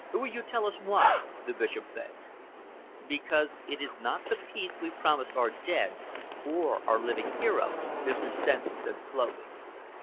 "Will you tell us why?" the Bishop begged. "Because it is not the peace we promised our dead or our living heroes," Mr. Stenson said slowly.